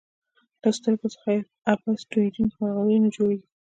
له سترګو څخه یې په عبث تویېدونکو مرغلرو نه جوړیږي.